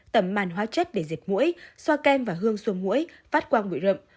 tẩm màn hóa chất để diệt mũi xoa kem và hương xuống mũi phát quang bụi rậm